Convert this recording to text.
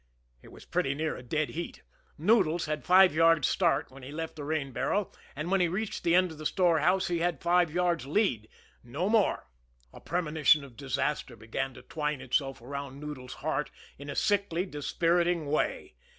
It was pretty near a dead heat. Noodles had five yards' start when he left the rain barrel; and when he reached the end of the storehouse he had five yards' lead no more. A premonition of disaster began to twine itself around Noodles' heart in a sickly, dispiriting way.